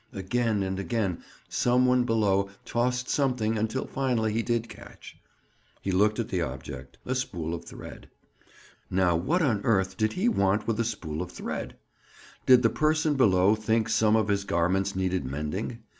Again and again some one below tossed something until finally he did catch. He looked at the object—a spool of thread. Now what on earth did he want with a spool of thread? Did the person below think some of his garments needed mending?